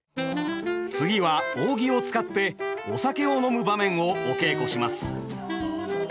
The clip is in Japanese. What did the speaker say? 次は扇を使ってお酒を飲む場面をお稽古します。